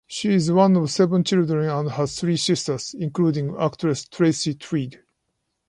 She is one of seven children and has three sisters, including actress Tracy Tweed.